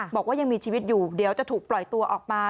บอกว่ายังมีชีวิตอยู่เดี๋ยวจะถูกปล่อยตัวออกมา